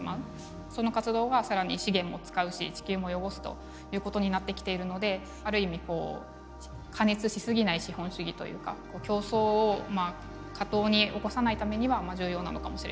その活動が更に資源も使うし地球も汚すということになってきているのである意味こう過熱し過ぎない資本主義というか競争を過当に起こさないためには重要なのかもしれないなと思います。